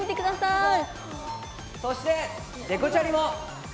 そしてデコチャリも。